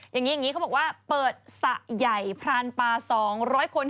อย่างนี้เขาบอกว่าเปิดสระใหญ่พรานปลา๒๐๐คน